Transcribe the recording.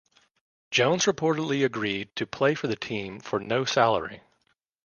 Jones reportedly agreed to play for the team for no salary.